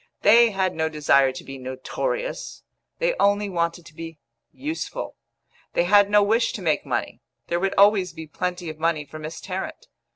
They had no desire to be notorious; they only wanted to be useful. They had no wish to make money; there would always be plenty of money for Miss Tarrant.